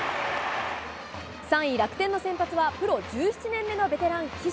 ３位楽天の先発はプロ１７年目のベテラン、岸。